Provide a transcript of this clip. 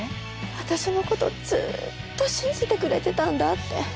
私のことずっと信じてくれてたんだって。